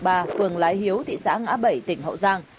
phường lái hiếu thị xã ngã bảy tỉnh hậu giang